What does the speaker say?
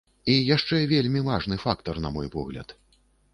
І яшчэ вельмі важны фактар, на мой погляд.